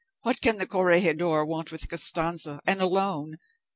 What can the corregidor want with Costanza, and alone!